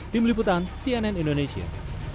tim liputan cnn indonesia